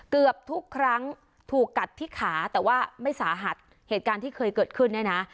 เกือบทุกครั้งถูกกัดที่ขาแต่ว่าไม่สาหัสเหตุการณ์ที่เคยเกิดขึ้นเนี่ยนะ